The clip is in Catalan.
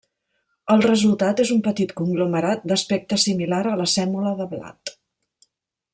El resultat és un petit conglomerat d’aspecte similar a la sèmola de blat.